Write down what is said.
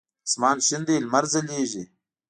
اسمان شین دی لمر ځلیږی